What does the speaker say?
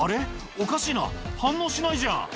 おかしいな反応しないじゃん」